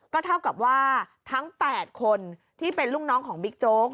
ก็เท่ากับว่าทั้ง๘คนที่เป็นลูกน้องของบิ๊กโจ๊ก